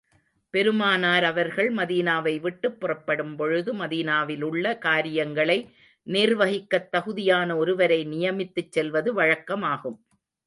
பெருமானார் அவர்கள் மதீனாவை விட்டுப் புறப்படும் பொழுது, மதீனாவிலுள்ள காரியங்களை நிர்வகிக்கத் தகுதியான ஒருவரை நியமித்துச் செல்வது வழக்கமாகும்.